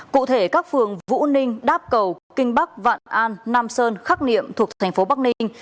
cụ thể các phường vũ ninh đáp cầu kinh bắc vạn an nam sơn khắc niệm thuộc thành phố bắc ninh